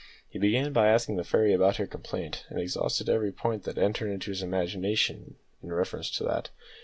He began by asking the fairy about her complaint, and exhausted every point that entered into his imagination in reference to that.